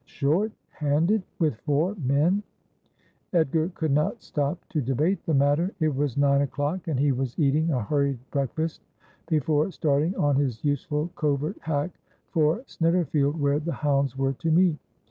' Short handed ! With four men !' Edgar could not stop to debate the matter. It was nine o'clock, and he was eating a hurried breakfast before starting on his useful covert hack for Snitterfield, where the hounds were to meet.